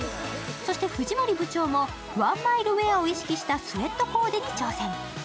そして藤森部長もワンマイルウェアも意識したスウェットコーデに挑戦。